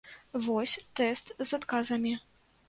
Вось тэст з адказамі.